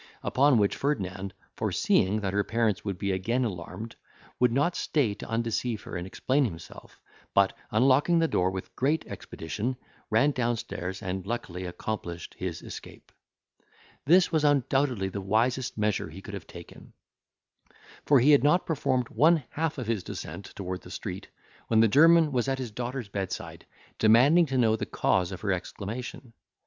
Upon which Ferdinand, foreseeing that her parents would be again alarmed, would not stay to undeceive her and explain himself, but, unlocking the door with great expedition, ran downstairs, and luckily accomplished his escape. This was undoubtedly the wisest measure he could have taken; for he had not performed one half of his descent toward the street, when the German was at his daughter's bedside, demanding to know the cause of her exclamation.